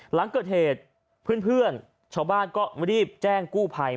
หลังเกิดเหตุเพื่อนชาวบ้านก็รีบแจ้งกู้ภัย